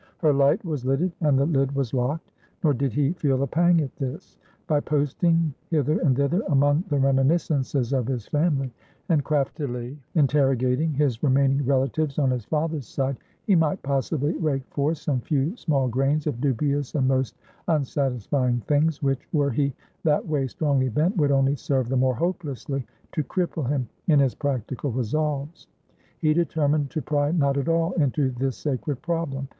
Her light was lidded, and the lid was locked. Nor did he feel a pang at this. By posting hither and thither among the reminiscences of his family, and craftily interrogating his remaining relatives on his father's side, he might possibly rake forth some few small grains of dubious and most unsatisfying things, which, were he that way strongly bent, would only serve the more hopelessly to cripple him in his practical resolves. He determined to pry not at all into this sacred problem.